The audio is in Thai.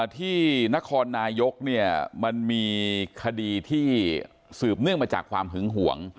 ที่นครนายกมันมีคดีที่สืบเนื่องมาจากความหึงห่วง